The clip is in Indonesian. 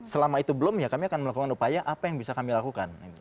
selama itu belum ya kami akan melakukan upaya apa yang bisa kami lakukan